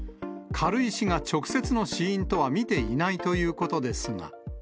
軽石が直接の死因とは見ていないということですが。